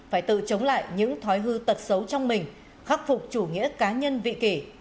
phải tự chống lại những thói hư tật xấu trong mình khắc phục chủ nghĩa cá nhân vị kỷ